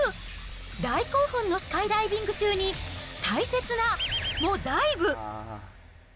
大興奮のスカイダイビング中に、大切な×××もダイブ。